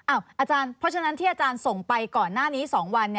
อาจารย์เพราะฉะนั้นที่อาจารย์ส่งไปก่อนหน้านี้๒วัน